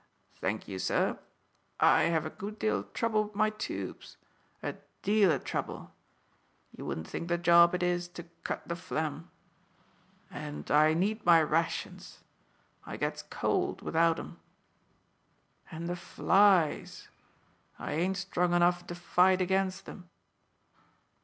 "Thank ye, sir. I have a good deal o' trouble with my toobes a deal o' trouble. You wouldn't think the job it is to cut the phlegm. And I need my rations. I gets cold without 'em. And the flies! I ain't strong enough to fight against them."